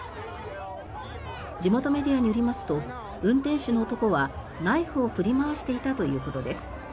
地元メディアによりますと運転手の男はナイフを振り回していたということです。